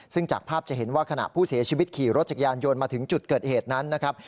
ซึ่งจากภาพจะเห็นว่าขณะผู้เสียชีวิตขี่รถจักรยานยนต์มาถึงจุดเกิดเหตุนั้นนะครับ